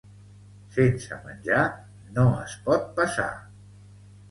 Sense menjar no es pot passar.